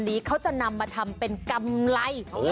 นั้นเขาจะทำเป็นกำไร